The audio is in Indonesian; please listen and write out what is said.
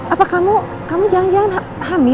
apa kamu kamu jangan jangan hamil